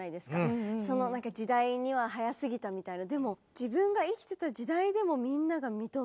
そのなんか時代には早すぎたみたいな。